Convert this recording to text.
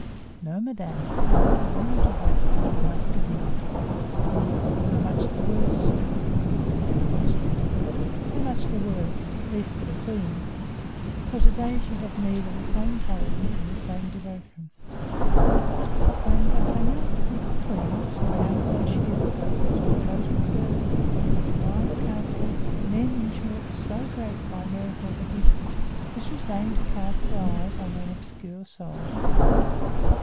"No, madame, I was ignorant of that," said the musketeer. "So much the worse, sir," said Anne of Austria; "so much the worse, at least for the queen, for to day she has need of the same courage and the same devotion." "What!" exclaimed D'Artagnan, "does the queen, surrounded as she is by such devoted servants, such wise counselors, men, in short, so great by merit or position—does she deign to cast her eyes on an obscure soldier?"